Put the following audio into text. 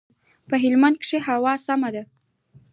په هلمند کښي هوا سمه ده.